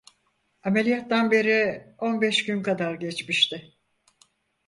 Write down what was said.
Ameliyattan beri on beş gün kadar geçmişti.